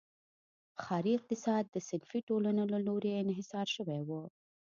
ښاري اقتصاد د صنفي ټولنو له لوري انحصار شوی و.